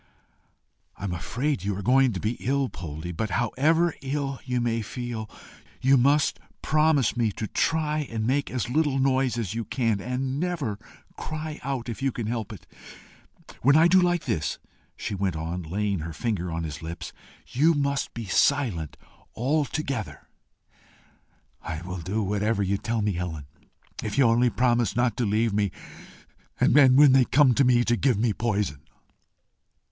"I am afraid you are going to be ill, Poldie; but, however ill you may feel, you must promise me to try and make as little noise as you can, and never cry out if you can help it. When I do like this," she went on, laying her finger on his lips, "you must be silent altogether." "I will do whatever you tell me, Helen, if you will only promise not to leave me, and, when they come for me, to give me poison."